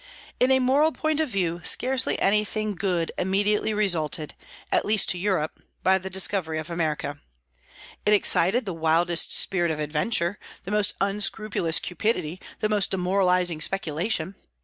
In a moral point of view scarcely anything good immediately resulted, at least to Europe, by the discovery of America. It excited the wildest spirit of adventure, the most unscrupulous cupidity, the most demoralizing speculation.